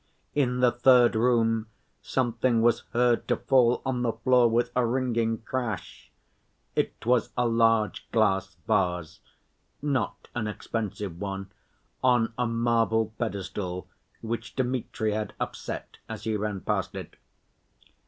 In the third room something was heard to fall on the floor with a ringing crash: it was a large glass vase—not an expensive one—on a marble pedestal which Dmitri had upset as he ran past it.